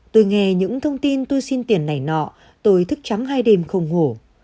tôi nghe những thông tin tôi xin tiền nảy nọ tôi thức chấm hai đêm không ngủ